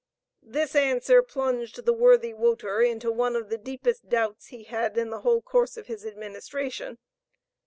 This answer plunged the worthy Wouter in one of the deepest doubts he had in the whole course of his administration.